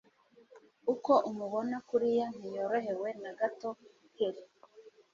uko umubona kuriya ntiyorohewe nagato kelli